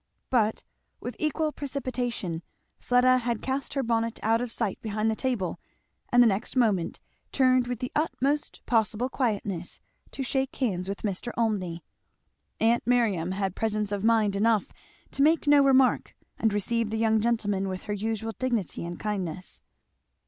But with equal precipitation Fleda had cast her bonnet out of sight behind the table, and the next moment turned with the utmost possible quietness to shake hands with Mr. Olmney. Aunt Miriam had presence of mind enough to make no remark and receive the young gentleman with her usual dignity and kindness.